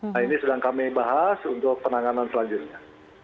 nah ini sedang kami bahas untuk penanganan selanjutnya